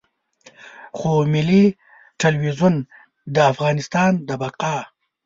خو ملي ټلویزیون د افغانستان د بقا.